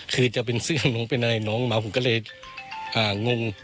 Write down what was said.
คือจะเป็นเสื้อน้องเป็นอะไรน้องมาผมก็เลยงง